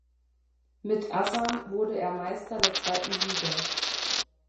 Mit Asan wurde er Meister der zweiten Liga.